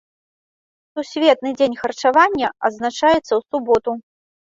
Сусветны дзень харчавання адзначаецца ў суботу.